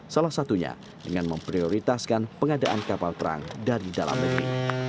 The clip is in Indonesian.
salah satunya dengan memprioritaskan pengadaan kapal perang dari dalam negeri